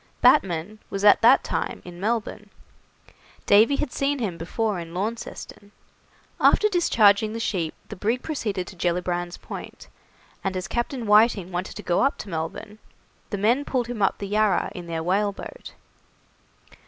Batman was at that time in Melbourne. Davy had seen him before in Launceston. After discharging the sheep the brig proceeded to Gellibrand's Point, and as Captain Whiting wanted to go up to Melbourne, the men pulled him up the Yarra in their whaleboat.